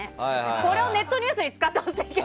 これをネットニュースに使ってほしいけど！